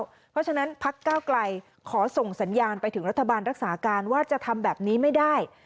เพราะฉะนั้นพักก้าวไกลขอส่งสัญญาณไปถึงรัฐบาลรักษาการว่าจะทำแบบนี้ไม่ได้